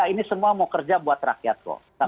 ini semua mau kerja buat rakyat kok